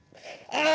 ああ！